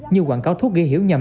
như quảng cáo thuốc ghi hiểu nhầm